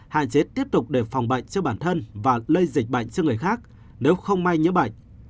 hạn chế tiếp tục để phòng bệnh cho bản thân và lây dịch bệnh cho người khác nếu không may nhớ bệnh